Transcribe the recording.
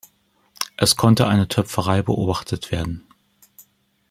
Es konnte eine Töpferei beobachtet werden.